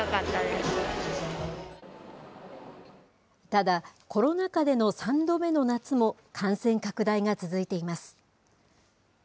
ただ、コロナ禍での３度目の夏も、感染拡大が続いています。